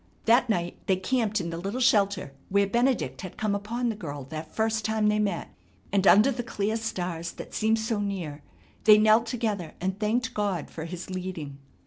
That night they camped in the little shelter where Benedict had come upon the girl that first time they met, and under the clear stars that seemed so near they knelt together and thanked God for His leading.